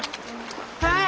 はい！